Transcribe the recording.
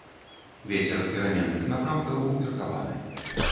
Вецер пераменных напрамкаў, умеркаваны.